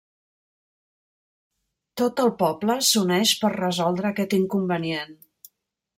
Tot el poble s'uneix per a resoldre aquest inconvenient.